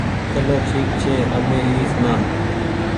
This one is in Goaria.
چلو ٺيڪ ڇي اٻي اي سوڻآ